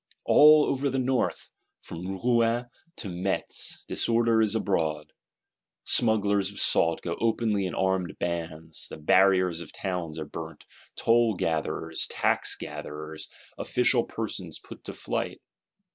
All over the North, from Rouen to Metz, disorder is abroad: smugglers of salt go openly in armed bands: the barriers of towns are burnt; toll gatherers, tax gatherers, official persons put to flight.